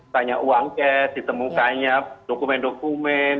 banyak uang cash ditemukannya dokumen dokumen